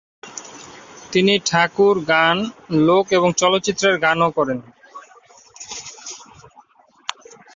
তিনি ঠাকুর গান, লোক এবং চলচ্চিত্রের গানও গান করেন।